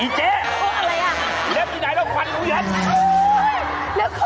อีเจ๊เล็บที่ไหนล่ะควันลูกเย็นโอ้โฮ